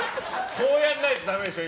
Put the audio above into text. こうやらないとダメでしょ。